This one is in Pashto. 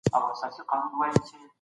قرآن ستاسو قانون دی.